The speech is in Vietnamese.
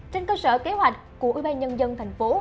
trên cơ sở kế hoạch của ủy ban nhân dân thành phố